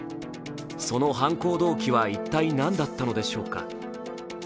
その犯行動機は一体何だったのでしょうか。